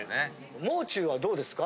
もう中はどうですか？